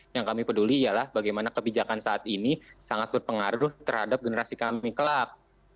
yang kami peduli ialah bagaimana kebijakan saat ini sangat berpengaruh terhadap generasi kami kelab